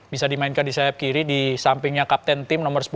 bisa dimainkan di sayap kiri di sampingnya kapten tim nomor sepuluh